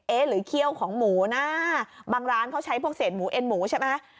หรือเขี้ยวของหมูนะบางร้านเขาใช้พวกเศษหมูเอ็นหมูใช่ไหม